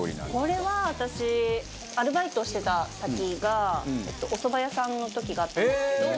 これは、私アルバイトしてた先がお蕎麦屋さんの時があったんですけど。